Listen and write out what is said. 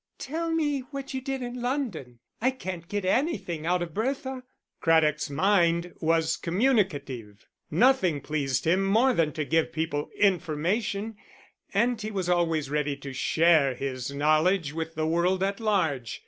"Tell me what you did in London. I can't get anything out of Bertha." Craddock's mind was communicative, nothing pleased him more than to give people information, and he was always ready to share his knowledge with the world at large.